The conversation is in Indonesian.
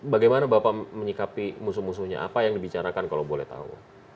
bagaimana bapak menyikapi musuh musuhnya apa yang dibicarakan kalau boleh tahu